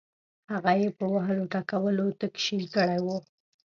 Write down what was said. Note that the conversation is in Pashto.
هغه یې په وهلو ټکولو تک شین کړی وو.